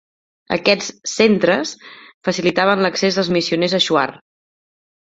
Aquests "centres" facilitaven l'accés dels missioners a Shuar.